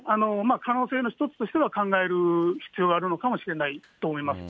可能性の一つとしては考える必要はあるのかもしれないと思います。